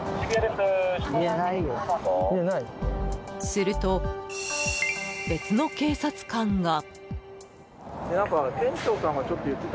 すると、別の警察官が。